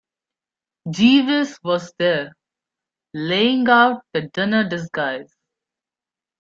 Jeeves was there, laying out the dinner disguise.